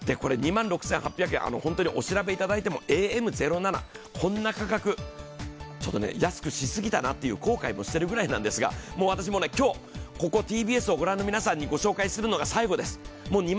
これ、２万６８００円、ホントにお調べいただいてもＡＭ０７、こんな価格、ちょっと安くしすぎたなと後悔もしてるくらいなんですが私も今日、ここＴＢＳを御覧の皆さんにご紹介するのが最後です。